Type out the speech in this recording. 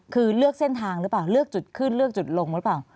คือเลือกเส้นทางหรือเปล่าเลือกจุดขึ้นเลือกจุดลงหรือเปล่า